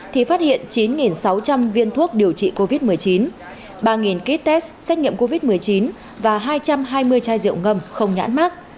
thì phát hiện chín sáu trăm linh viên thuốc điều trị covid một mươi chín ba ký test xét nghiệm covid một mươi chín và hai trăm hai mươi chai rượu ngâm không nhãn mát